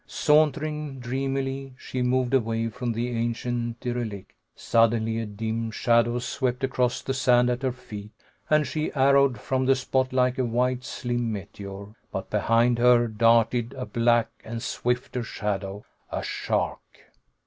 Sauntering dreamily, she moved away from the ancient derelict. Suddenly a dim shadow swept across the sand at her feet, and she arrowed from the spot like a white, slim meteor. But behind her darted a black and swifter shadow a shark!